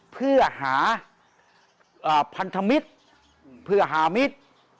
เพื่อหาพันธมิตรเพื่อหามิตร